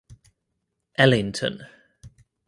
Ellington.